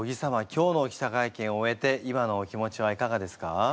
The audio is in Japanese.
今日の記者会見を終えて今のお気持ちはいかがですか？